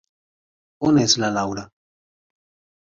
On és la Laura?